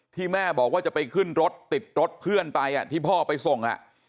แม่บอกว่าจะไปขึ้นรถติดรถเพื่อนไปที่พ่อไปส่ง